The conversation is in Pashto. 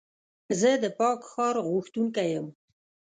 زه د پاک ښار غوښتونکی یم.